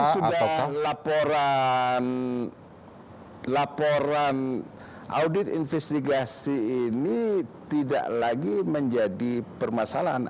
sudah laporan laporan audit investigasi ini tidak lagi menjadi permasalahan